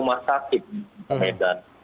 masakit di kota medan